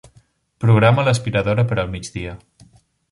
Programa l'aspiradora per al migdia.